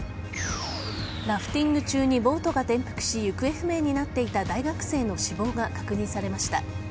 ラフティング中にボートが転覆し行方不明になっていた大学生の死亡が確認されました。